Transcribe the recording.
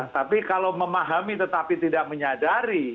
tapi kalau memahami tetapi tidak menyadari